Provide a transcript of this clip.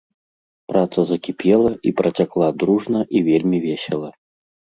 Праца закіпела і працякла дружна і вельмі весела.